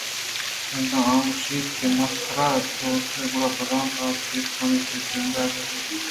اگاں آ گوٛشیت کہ من ترا ردداتگ گڑا بزاں پہ چیروکائی تئی جند ءَ زاہ ءُبد کنگ ءَاِنت